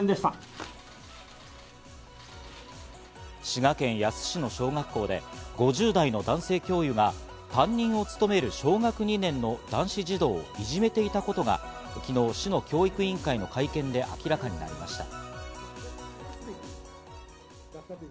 滋賀県野洲市の小学校で５０代の男性教諭が、担任を務める小学２年の男子児童をいじめていたことが昨日、市の教育委員会の会見で明らかになりました。